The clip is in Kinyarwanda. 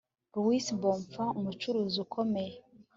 Luis Bonfa numucuranzi ukomeye